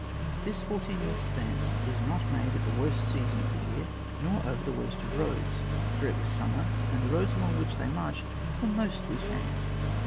This fourteen weeks' advance was not made at the worst season of the year, nor over the worst of roads, for it was summer, and the roads along which they marched were mostly sand.